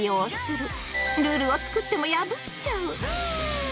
ルールを作っても破っちゃう。